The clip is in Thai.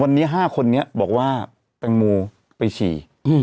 วันนี้๕คนนี้บอกว่าแตงโมไปฉี่